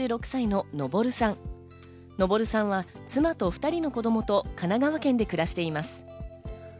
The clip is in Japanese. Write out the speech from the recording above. のぼるさんは妻と２人の子供と神奈川県で暮らしています。